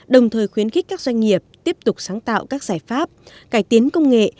đồng thời khuyến khích các doanh nghiệp tiếp tục sáng tạo các giải pháp cải tiến công nghệ